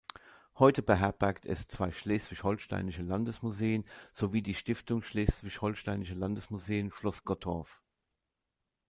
Heute beherbergt es zwei schleswig-holsteinische Landesmuseen sowie die Stiftung Schleswig-Holsteinische Landesmuseen Schloss Gottorf.